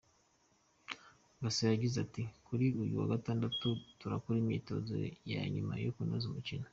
Casa yagize ati " Kuri uyu wa Gatandatu turakora imyitozo ya nyuma yo kunoza umukino.